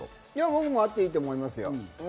僕もあっていいと思いますよ。